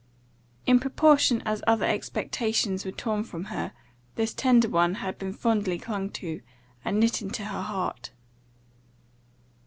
In proportion as other expectations were torn from her, this tender one had been fondly clung to, and knit into her heart.